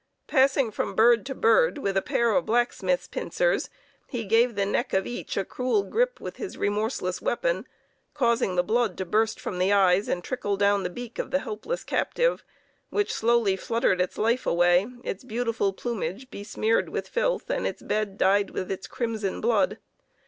Passing from bird to bird, with a pair of blacksmith's pincers, he gave the neck of each a cruel grip with his remorseless weapon, causing the blood to burst from the eyes and trickle down the beak of the helpless captive, which slowly fluttered its life away, its beautiful plumage besmeared with filth and its bed dyed with its crimson blood.